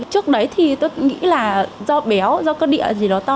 trước đấy thì tôi nghĩ là do béo do cơ địa gì đó to